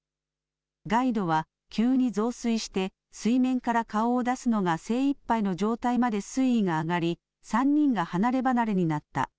ガイドは急に増水して水面から顔を出すのが精いっぱいの状態まで水位が上がり、３人が離れ離れになった。